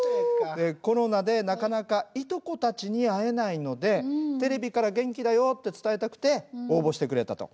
コロナでなかなかいとこたちに会えないのでテレビから元気だよって伝えたくて応募してくれたと。